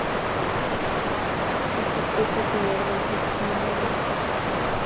Esta especie es generalmente monógama.